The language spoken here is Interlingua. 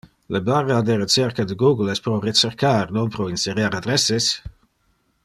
Le barra de recerca de Google es pro recercar, non pro inserer adresses!